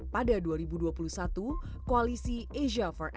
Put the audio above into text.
pada dua ribu dua puluh satu koalisi asia for en